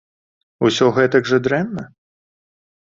Усё гэтак жа дрэнна?